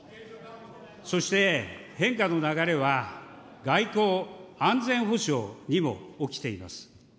そして、変化の流れは外交・安全保障にも起きています。